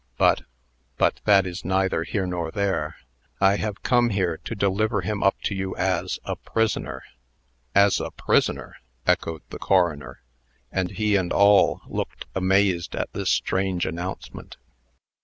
But but that is neither here nor there. I have come here to deliver him up to you as a prisoner " "As a prisoner!" echoed the coroner; and he and all looked amazed at this strange announcement.